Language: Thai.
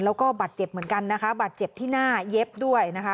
แล้วก็บัตรเจ็บเหมือนกันบัตรเจ็บที่หน้าเย็บด้วย